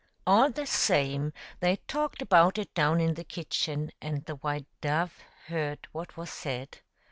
All the same, they talked about it down in the kitchen, and the white dove heard what was said.